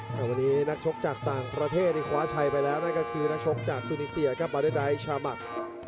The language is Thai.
แต่วันนี้นักชกจากต่างประเทศที่คว้าชัยไปแล้วนั่นก็คือนักชกจากตูนีเซียครับบาเดอร์ไดท์ชามัก